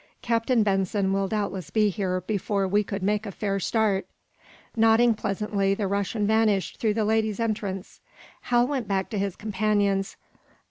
"Captain Benson will doubtless be here before we could make a fair start." Nodding pleasantly, the Russian vanished through the ladies' entrance. Hal went back to his companions.